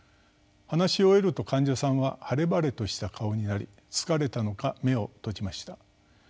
話し終えると患者さんは晴れ晴れとした顔になり疲れたのか目を閉じました。